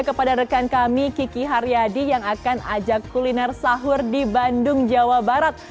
kepada rekan kami kiki haryadi yang akan ajak kuliner sahur di bandung jawa barat